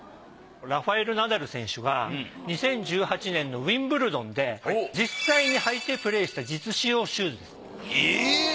ラファエル・ナダル選手が２０１８年のウィンブルドンで実際に履いてプレーした実使用シューズです。え！？